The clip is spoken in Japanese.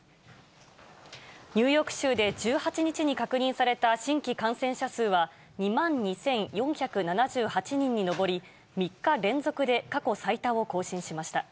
ニューヨーク州で１８日に確認された新規感染者数は２万２４７８人に上り、３日連続で過去最多を更新しました。